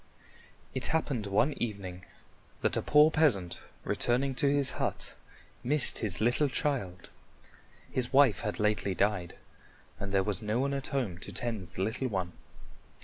It happened one evening that a poor peasant returning to his hut missed his little child. His wife had lately died, and there was no one at home to tend the little one.